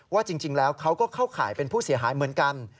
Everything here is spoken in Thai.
ว่าจริงแล้วเขาก็เข้าข่ายเป็นผู้เสียหายเหมือนกัน